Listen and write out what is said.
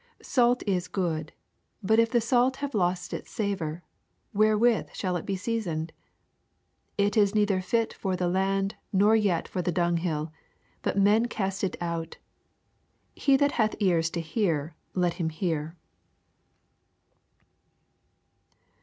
84 Salt 18 good : but if the salt have lost its savor, wherewith shall it be seasoned ? 85 It is neither fit for the land, nor yet for the dunghill ; but men cast it out. He that uath ears to hear, let him hear.